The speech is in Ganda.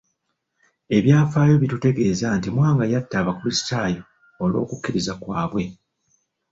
Ebyafaayo bitutegeeza nti Mwanga yatta Abakristaayo olw'okukkiriza kwabwe.